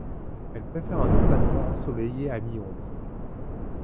Elle préfère un emplacement ensoleillé à mi-ombre.